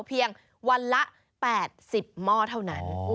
เพียงวันละ๘๐หม้อเท่านั้น